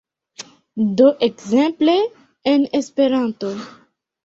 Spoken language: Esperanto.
Do ekzemple en Esperanto